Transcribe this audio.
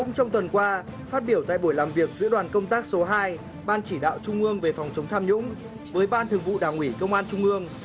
trong tuần qua phát biểu tại buổi làm việc giữa đoàn công tác số hai ban chỉ đạo trung ương về phòng chống tham nhũng với ban thường vụ đảng ủy công an trung ương